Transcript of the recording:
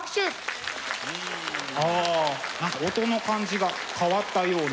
何か音の感じが変わったような。